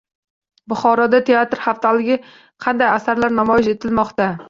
Buxoroda teatr haftaligi: qanday asarlar namoyish etilmoqda?